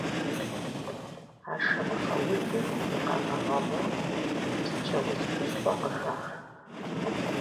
Ашэмыхъэ удзым и къэгъэгъэгъуэм псчэуз хущхъуэ къыхах.